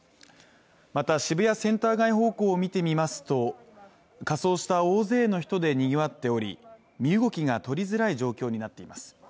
また渋谷センター街方向を見てみますと仮装した大勢の人でにぎわっており身動きが取りづらい状況になっています